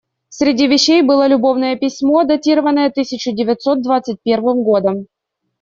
Среди вещей было любовное письмо, датированное тысяча девятьсот двадцать первым годом.